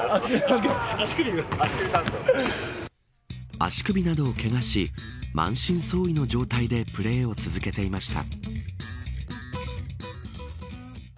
足首などをけがし満身創痍の状態でプレーを続けていました。